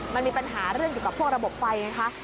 มันมีปัญหาเรื่องเกี่ยวกับพวกระบบไฟไงคะ